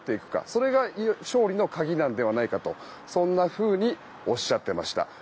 それが勝利の鍵なのではないかとおっしゃっていました。